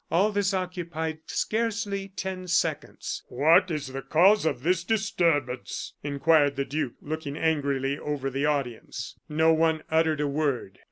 All this occupied scarcely ten seconds. "What is the cause of this disturbance?" inquired the duke, looking angrily over the audience. No one uttered a word.